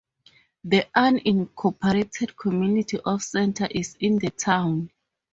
The unincorporated community of Center is in the town.